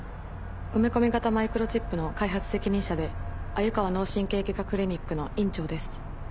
埋め込み型マイクロチップの開発責任者であゆかわ脳神経外科クリニックの院長です。